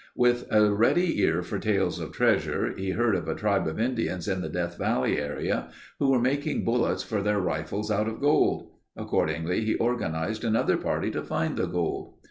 With a ready ear for tales of treasure, he heard of a tribe of Indians in the Death Valley area who were making bullets for their rifles out of gold. Accordingly he organized another party to find the gold.